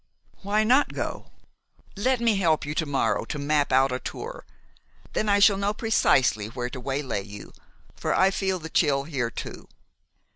"Why not go? Let me help you to morrow to map out a tour. Then I shall know precisely where to waylay you, for I feel the chill here too."